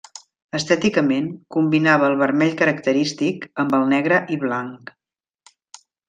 Estèticament, combinava el vermell característic amb el negre i blanc.